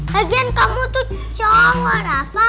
bagian kamu tuh cowok rafa